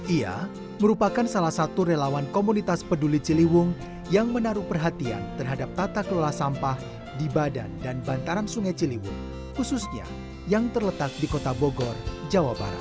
ia merupakan salah satu relawan komunitas peduli ciliwung yang menaruh perhatian terhadap tata kelola sampah di badan dan bantaran sungai ciliwung khususnya yang terletak di kota bogor jawa barat